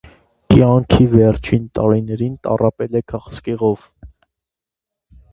Կյանքի վերջին տարիներին տառապել է քաղցկեղով։